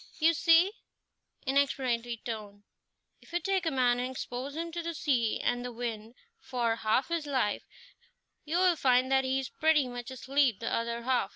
"You see" in explanatory tone "if you take a man and expose him to the sea and the wind for half his life, you'll find that he is pretty much asleep the other half.